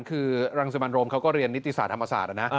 คือรังสิมันโรมเขาก็เรียนนิติศาสธรรมศาสตร์นะ